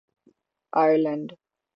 Ireland